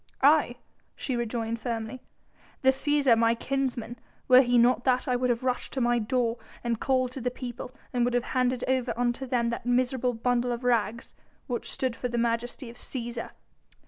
"Aye!" she rejoined firmly, "the Cæsar, my kinsman! Were he not that, I would have rushed to my door and called to the people, and would have handed over unto them that miserable bundle of rags which stood for the majesty of Cæsar!"